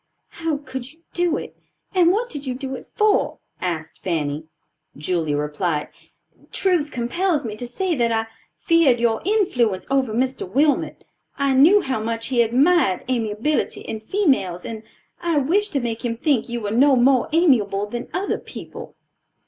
"How could you do it, and what did you do it for?" asked Fanny. Julia replied, "Truth compels me to say that I feared your influence over Mr. Wilmot. I knew how much he admired amiability in females, and I wished to make him think you were no more amiable than other people."